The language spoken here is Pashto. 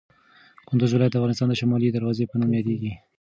کندوز ولایت د افغانستان د شمال د دروازې په نوم یادیږي.